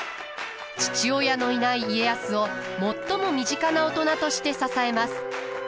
父親のいない家康を最も身近な大人として支えます。